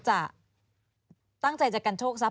ว่าตั้งใจจะกันโชคทรัพย์